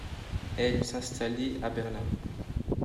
Elle s'installée à Berlin.